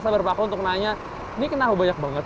sabar paku untuk nanya ini kenapa banyak banget